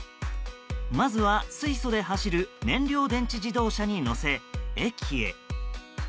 まずは水素で走る燃料電池自動車に乗せ駅へ。